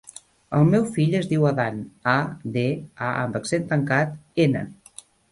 El meu fill es diu Adán: a, de, a amb accent tancat, ena.